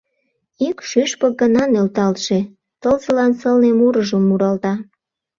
Ик шӱшпык гына нӧлталтше тылзылан сылне мурыжым муралта.